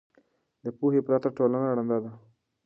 د پوهې پرته ټولنه ړنده ده.